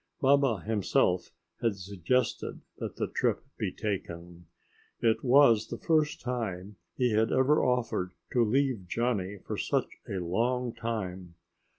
Baba, himself, had suggested that the trip be taken. It was the first time he had ever offered to leave Johnny for such a long time.